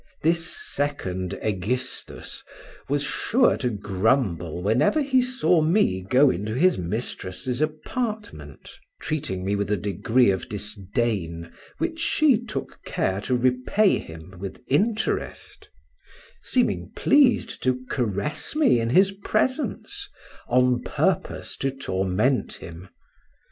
This second Egistus was sure to grumble whenever he saw me go into his mistress' apartment, treating me with a degree of disdain which she took care to repay him with interest; seeming pleased to caress me in his presence, on purpose to torment him.